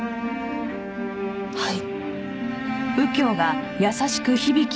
はい。